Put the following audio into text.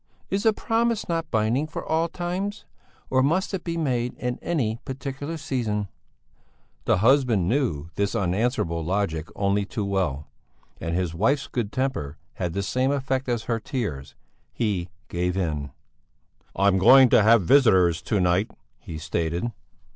Is a promise not binding for all times? Or must it be made in any particular season?" The husband knew this unanswerable logic only too well, and his wife's good temper had the same effect as her tears he gave in. "I'm going to have visitors to night," he stated.